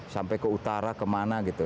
sampai ke utara kemana gitu